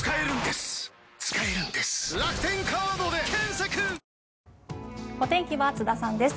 続くお天気は津田さんです。